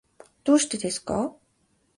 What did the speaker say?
どうしてですか？